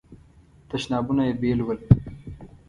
تشنابونه یې بیل ول.